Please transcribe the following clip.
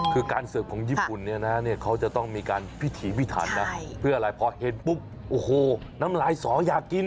คือการเสิร์ฟของญี่ปุ่นเนี่ยนะเนี่ยเขาจะต้องมีการพิถีพิถันนะเพื่ออะไรพอเห็นปุ๊บโอ้โหน้ำลายสออยากกิน